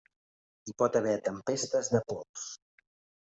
Hi pot haver tempestes de pols.